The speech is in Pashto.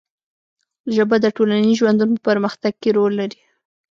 ژبه د ټولنیز ژوند په پرمختګ کې رول لري